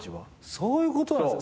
そういうことなんすか。